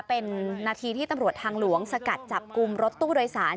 เป็นนาทีที่ตำรวจทางหลวงสกัดจับกลุ่มรถตู้โดยสาร